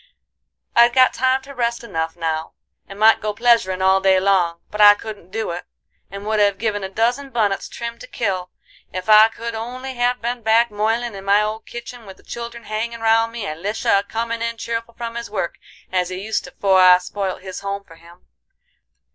I'd got time to rest enough now, and might go pleasuring all day long; but I couldn't do it, and would have given a dozin bunnets trimmed to kill ef I could only have been back moilin' in my old kitchen with the children hangin' round me and Lisha a comin' in cheerful from his work as he used to 'fore I spoilt his home for him.